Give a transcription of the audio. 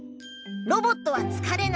ロボットはつかれない。